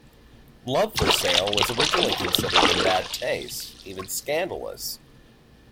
"Love for Sale" was originally considered in bad taste, even scandalous.